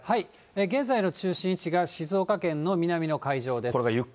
現在の中心位置が静岡県の南の海上です。